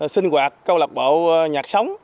sinh hoạt câu lạc bộ nhạc sống